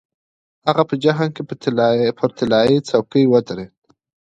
هغه په جشن کې پر طلايي څوکۍ ودرېد.